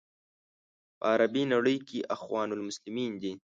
په عربي نړۍ کې اخوان المسلمین دي.